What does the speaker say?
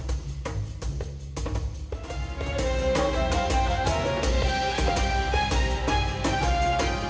jangan lupa like share dan subscribe